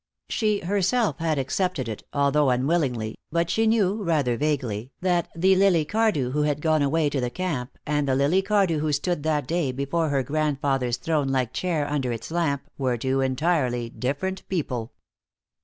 She herself had accepted it, although unwillingly, but she knew, rather vaguely, that the Lily Cardew who had gone away to the camp and the Lily Cardew who stood that day before her grandfather's throne like chair under its lamp, were two entirely different people.